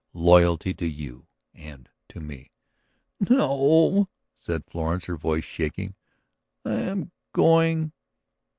. loyalty to you and to me." "No," said Florence, her voice shaking. "I am going.